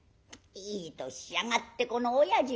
「いい年しやがってこの親父は」。